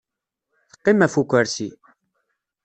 Teqqim ɣef ukersi.